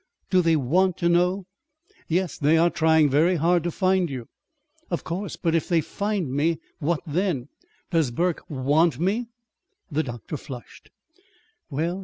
"Do they want to know?" "Yes. They are trying very hard to find you." "Of course. But if they find me what then? Does Burke want me?" The doctor flushed.